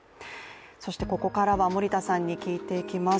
そしてここからは森田さんに聞いていきます。